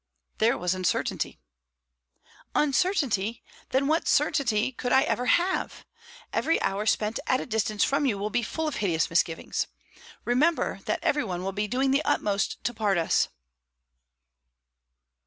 "There was uncertainty." "Uncertainty? Then what certainty could I ever have? Every hour spent at a distance from you will be full of hideous misgivings. Remember that every one will be doing the utmost to part us."